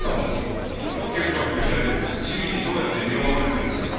手口を発表しないで市民にどうやって身を守れっていうんですか。